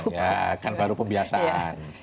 iya kan baru pembiasaan